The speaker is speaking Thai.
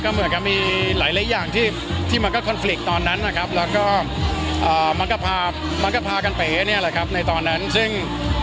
เหมือนกับมีหลายอย่างที่มันก็คอนฟลิกตอนนั้นนะครับแล้วก็มันก็พามันก็พากันเป๋เนี่ยแหละครับในตอนนั้นซึ่ง